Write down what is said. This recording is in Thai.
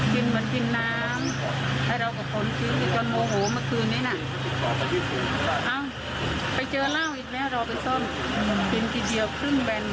ทำไมต้องว่าคุณเป็นโควิดอืม